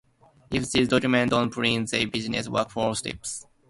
If these documents don't print the business workflow stops.